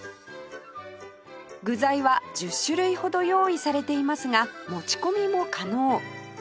具材は１０種類ほど用意されていますが持ち込みも可能